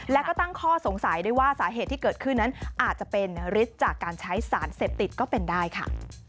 แล้วก็ตั้งข้อสงสัยด้วยว่าสาเหตุที่เกิดขึ้นนั้นอาจจะเป็นฤทธิ์จากการใช้สารเสพติดก็เป็นได้ค่ะ